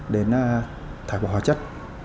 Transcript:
đến thải bỏ hóa chất